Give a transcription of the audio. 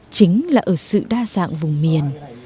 chính là ở sự đa dạng vùng miền